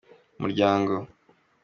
umuryango.